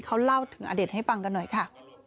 เขาเล่าถึงอเด็ดให้ฟังกันหน่อยค่ะ